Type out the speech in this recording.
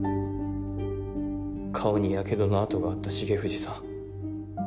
顔にやけどの痕があった重藤さん。